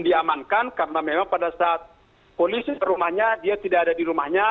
diamankan karena memang pada saat polisi ke rumahnya dia tidak ada di rumahnya